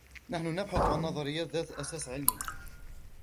نحن نبحث عن نظريات ذات أساس علمي.